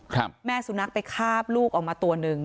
แม่สุนัขไปคาบลูกออกมาตัวหนึ่ง